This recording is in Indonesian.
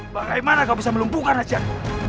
bagaimana kau bisa melumpuhkan hajat